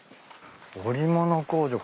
織物工場。